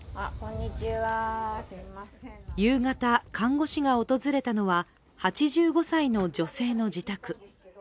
夕方、看護師が訪れたのは８５歳の女性の自宅。